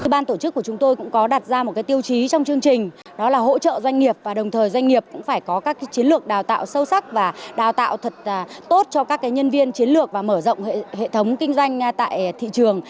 ban tổ chức của chúng tôi cũng có đặt ra một tiêu chí trong chương trình đó là hỗ trợ doanh nghiệp và đồng thời doanh nghiệp cũng phải có các chiến lược đào tạo sâu sắc và đào tạo thật tốt cho các nhân viên chiến lược và mở rộng hệ thống kinh doanh tại thị trường